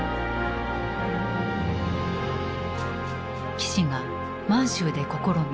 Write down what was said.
岸が満州で試み